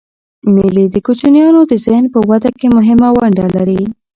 مېلې د کوچنيانو د ذهن په وده کښي مهمه ونډه لري.